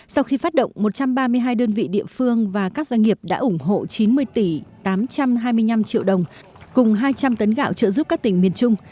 sau khi phát động một trăm ba mươi hai đơn vị địa phương và các doanh nghiệp đã ủng hộ chín mươi tỷ tám trăm hai mươi năm triệu đồng cùng hai trăm linh tấn gạo trợ giúp các tỉnh miền trung